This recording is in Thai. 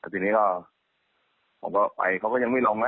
ทีนี้ก็ผมก็ไปเขาก็ยังไม่ลงนะ